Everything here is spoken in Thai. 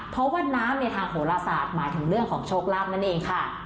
เพราะว่าน้ำในทางโหลศาสตร์หมายถึงเรื่องของโชคลาภนั่นเองค่ะ